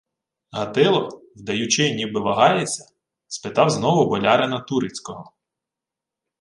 Гатило, вдаючи, ніби вагається, спитав знову болярина турицького: